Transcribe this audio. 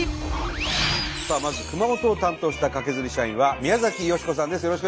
さあまず熊本を担当したカケズリ社員は宮崎美子さんです